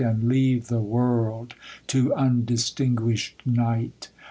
And leave the world to undistinguished night.